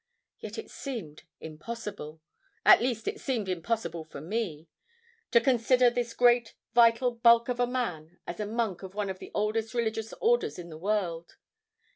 Yet it seemed impossible—at least, it seemed impossible for me—to consider this great vital bulk of a man as a monk of one of the oldest religious orders in the world.